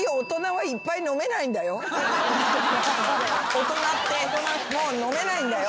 大人ってもう飲めないんだよ。